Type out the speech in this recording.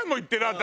私。